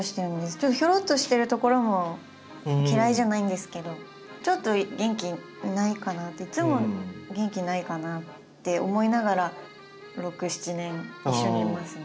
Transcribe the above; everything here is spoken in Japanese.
ちょっとひょろっとしてるところも嫌いじゃないんですけどちょっと元気ないかなっていつも元気ないかなって思いながら６７年一緒にいますね。